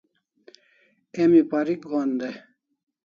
Emi parik gohan dai